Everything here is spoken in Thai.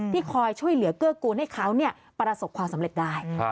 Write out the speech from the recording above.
คอยช่วยเหลือเกื้อกูลให้เขาประสบความสำเร็จได้